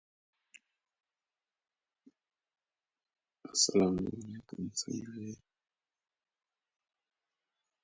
The adjoining museum features finds from various nearby excavations.